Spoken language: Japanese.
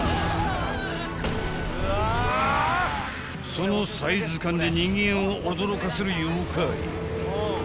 ［そのサイズ感で人間を驚かせる妖怪］